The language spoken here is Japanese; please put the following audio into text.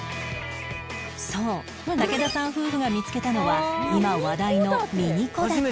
そう武田さん夫婦が見つけたのは今話題のミニ戸建て